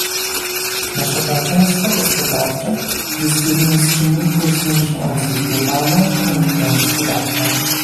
Nasze partnerstwo gospodarcze jest jednym z czynników zwiększających globalną koniunkturę gospodarczą